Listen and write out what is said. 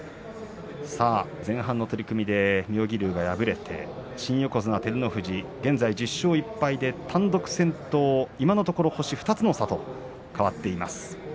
前半の取組で妙義龍が敗れて新横綱照ノ富士に現在１１勝１敗で単独先頭、今のところ星２つの差と変わっています。